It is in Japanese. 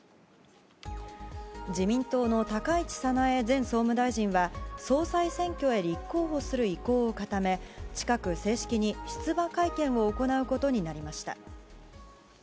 自民党の高市早苗前総務大臣は総裁選挙へ立候補する意向を固め、近く正式に出馬会見を行うことになりました。